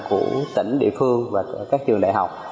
của tỉnh địa phương và các trường đại học